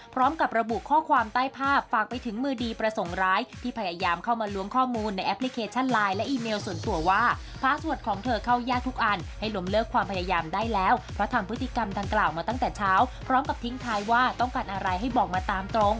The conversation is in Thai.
ไปติดตามข่าวนี้กันดูค่ะ